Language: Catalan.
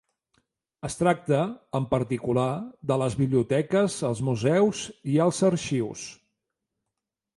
Es tracta, en particular de les biblioteques, els museus i els arxius.